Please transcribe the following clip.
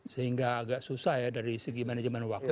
sehingga agak susah ya dari segi manajemen waktu